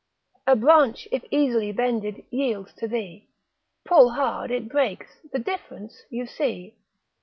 A branch if easily bended yields to thee, Pull hard it breaks: the difference you see.